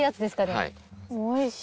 はい。